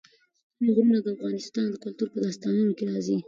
ستوني غرونه د افغان کلتور په داستانونو کې راځي.